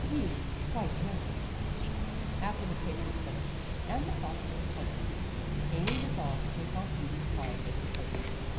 "P quite nervous." After the cake was finished and the frosting hardening, Amy re solved to take Aunt Phoebe's card over to Peggy.